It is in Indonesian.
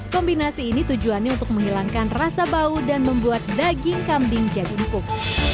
kombinasi ini tujuannya untuk menghilangkan rasa bau dan membuat daging kambing jadi empuk